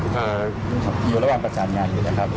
อยู่ระหว่างประจานงานอยู่แหละครับ